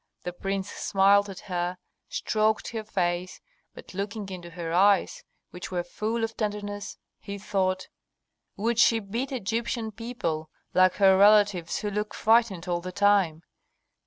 The prince smiled at her, stroked her face, but looking into her eyes, which were full of tenderness, he thought, "Would she beat Egyptian people, like her relatives who look frightened all the time?